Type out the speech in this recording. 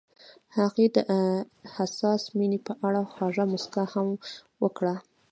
هغې د حساس مینه په اړه خوږه موسکا هم وکړه.